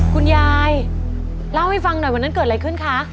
คุณยายเล่าให้ฟังหน่อยวันนั้นเกิดอะไรขึ้นคะ